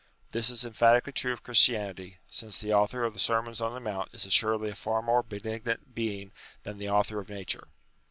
This is emphatically true of Chris tianity ; since the Author of the Sermon on the Mount is assuredly a far more benignant Being than the Author of Nature.